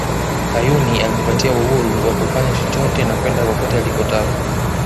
Kayuni alijipatia uhuru wa kufanya chochote na kwenda kokote alikotaka